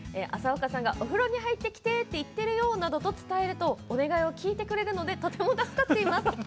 朝岡さんがお風呂に入ってきてって言ってるよ、などと伝えるとお願いを聞いてくれるのでとても助かっています。